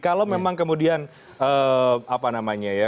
kalau memang kemudian apa namanya ya